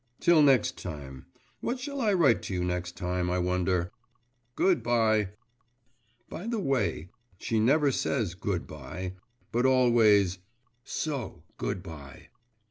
Till next time … What shall I write to you next time, I wonder? Good bye! By the way, she never says 'Good bye,' but always, 'So, good bye!